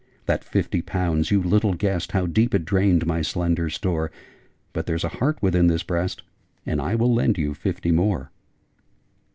That Fifty Pounds! You little guessed How deep it drained my slender store: But there's a heart within this breast, And I WILL LEND YOU FIFTY MORE!'